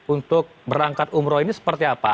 untuk berangkat umroh ini seperti apa